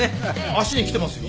足にきてますよ？